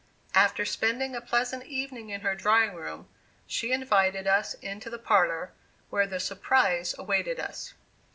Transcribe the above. After spending a pleasant evening in her drawing room, she invited us into the parlor, where the "surprise" awaited us.